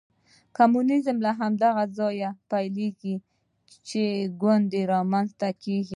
کمونیزم له هماغه ځایه پیلېږي چې ګوند رامنځته کېږي.